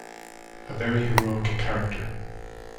A very heroic character.